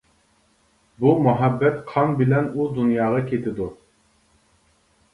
بۇ مۇھەببەت قان بىلەن ئۇ دۇنياغا كېتىدۇ!